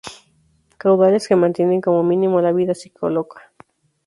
caudales que mantienen como mínimo la vida piscícola